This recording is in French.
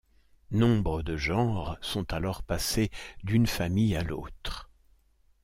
Nombre de genres sont alors passés d'une famille à l'autre.